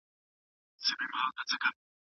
موږ باید د بهرنیو وارداتو مخه ونیسو.